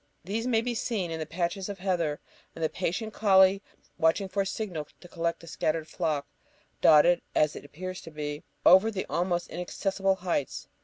These may be seen, and the patches of heather, and the patient colley watching for a signal to collect the scattered flock, dotted, as it appears to be, over the almost inaccessible heights.